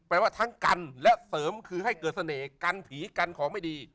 ว่าทั้งกันและเสริมคือให้เกิดเสน่ห์กันผีกันของไม่ดี